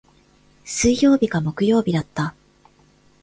水曜日か木曜日だった。